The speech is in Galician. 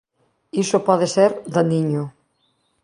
Iso pode ser daniño.